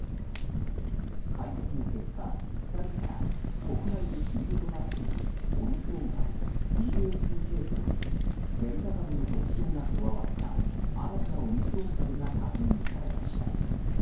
解析の結果、２人から国内で主流となっているオミクロン株ＢＡ．２系統にデルタ株の特徴が加わった新たなオミクロン株が確認されました。